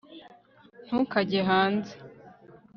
ntukajye hanze